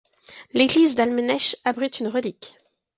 L'église d'Almenêches abrite une relique.